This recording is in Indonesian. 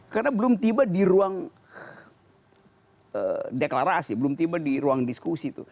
karena belum tiba di ruang deklarasi belum tiba di ruang diskusi itu